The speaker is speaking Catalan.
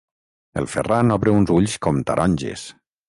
El Ferran obre uns ulls com taronges.